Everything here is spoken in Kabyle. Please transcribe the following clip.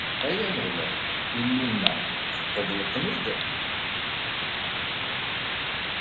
Ay Ameɣlal, Illu-nneɣ, tqebleḍ-ten-id.